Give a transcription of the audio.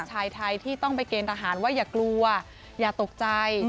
ชายไทยที่ต้องไปเกณฑ์ทหารว่าอย่ากลัวอย่าตกใจ